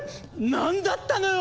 何だったのよ